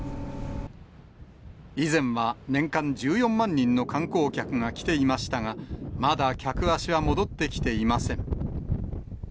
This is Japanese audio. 以前は年間１４万人の観光客が来ていましたが、まだ客足は戻ってきていません。